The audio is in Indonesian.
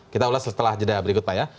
kita ulas setelah jeda berikutnya ya